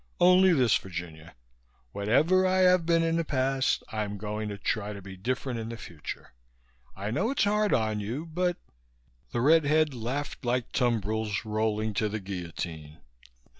"Only this, Virginia. Whatever I have been in the past, I'm going to try to be different in the future. I know it's hard on you but " The red head laughed like tumbrils rolling to the guillotine.